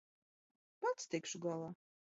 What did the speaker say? Pats tikšu galā.